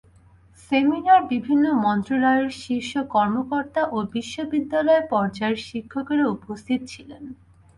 সেমিনারে বিভিন্ন মন্ত্রণালয়ের শীর্ষ কর্মকর্তা ও বিশ্ববিদ্যালয় পর্যায়ের শিক্ষকেরা উপস্থিত ছিলেন।